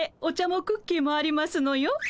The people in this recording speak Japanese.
お茶もクッキーもありますのよ。